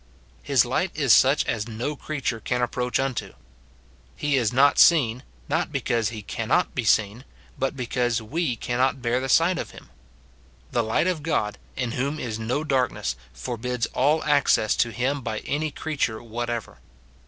His light is such as no creature can approach unto. He is not seen, not be cause he cannot be seen, but because we cannot bear the sight of him. The light of God, in whom is no dark ness, forbids all access to him by any creature whatever.